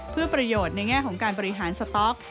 เพื่อประโยชน์ในแง่ของการบริหารสต๊อก